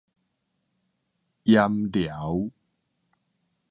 鹽寮